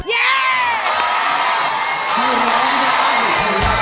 เย้